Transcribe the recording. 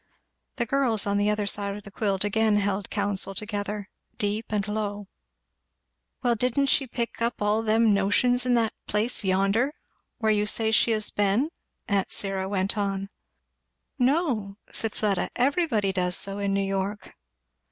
The girls on the other side of the quilt again held counsel together, deep and low. "Well didn't she pick up all them notions in that place yonder? where you say she has been?" aunt Syra went on. "No," said Fleda; "everybody does so in New York."